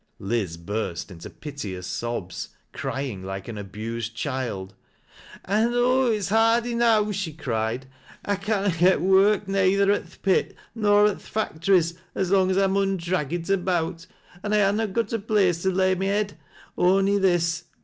Liz barfct intc piteous sobs — crying like an abused child :'•' I know it's hard enow," she cried ;" I canna get woj \ aeyther at th' pit nor at th' factories, as long as I mm. drag it about, an' 1 ha' not got a place to lay my head, on'y this.